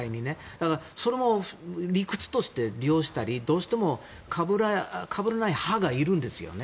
だから、それも理屈として利用したりどうしてもかぶらない派がいるんですよね。